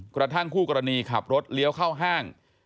กระทั่งคู่กรณีขับรถเลี้ยวเข้าห้าง